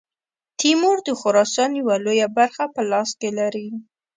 تیمور د خراسان یوه لویه برخه په لاس کې لري.